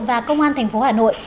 và công an tp hà nội